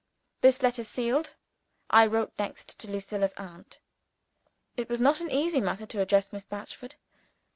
This letter sealed, I wrote next to Lucilla's aunt. It was not an easy matter to address Miss Batchford.